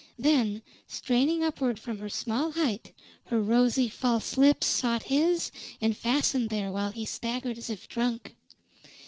Then, straining upward from her small height, her rosy, false lips sought his and fastened there while he staggered as if drunk.